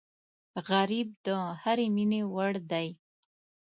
غریب د هرې مینې وړ دی